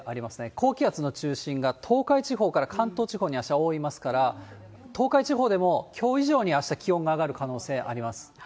高気圧の中心が東海地方から関東地方にあした覆いますから、関東地方ではきょう以上にあした、気温が上がる可能性あります。